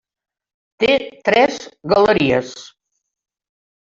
Té tres galeries.